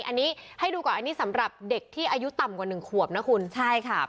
อันนี้ให้ดูก่อนอันนี้สำหรับเด็กที่อายุต่ำกว่าหนึ่งขวบนะคุณใช่ค่ะ